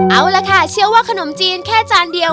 เอาล่ะค่ะเชื่อว่าขนมจีนแค่จานเดียว